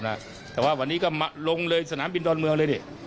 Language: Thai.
เอาเถอะให้ท่านกลับมาเถอะ